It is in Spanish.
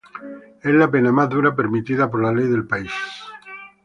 Es la pena más dura permitido por la ley del país.